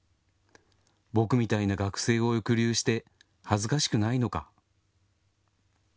僕みたいな学生を抑留して恥ずかしくないのか。